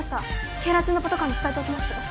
警ら中のパトカーに伝えておきます。